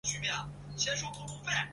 沃穆瓦斯。